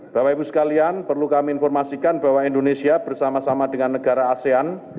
bapak ibu sekalian perlu kami informasikan bahwa indonesia bersama sama dengan negara asean